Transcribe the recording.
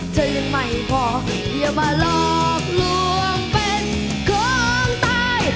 ยังไม่พออย่ามาหลอกลวงเป็นของตาย